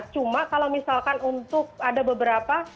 cuma kalau misalkan untuk ada beberapa